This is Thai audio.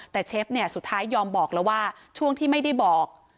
แต่เชฟเนี่ยสุดท้ายยอมบอกแล้วว่าช่วงที่ไม่ได้บอก